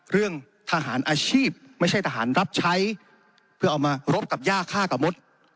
เรื่องทหารอาชีพไม่ใช่ทหารรับใช้เพื่อเอามารบกับย่าฆ่ากับมด